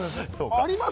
あります？